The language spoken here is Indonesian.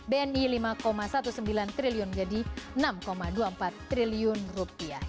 bni lima sembilan belas triliun menjadi enam dua puluh empat triliun rupiah